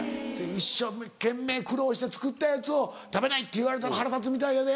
一生懸命苦労して作ったやつを食べないって言われたら腹立つみたいやで。